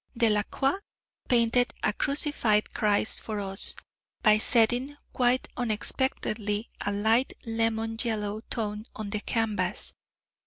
Delacroix painted a crucified Christ for us, by setting, quite unexpectedly, a light lemon yellow tone on the canvas.